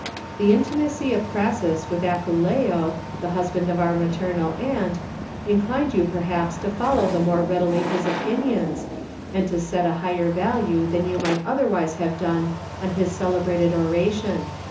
The intimacy of Crassus with Aculeo, the husband of our maternal aunt, inclined you perhaps to follow the more readily his opinions, and to set a higher value than you might otherwise have done on his celebrated oration.